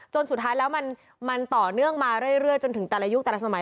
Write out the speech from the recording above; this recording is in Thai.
สุดท้ายแล้วมันต่อเนื่องมาเรื่อยจนถึงแต่ละยุคแต่ละสมัย